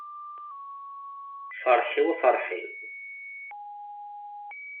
Ferḥ-iw a ferḥ-iw.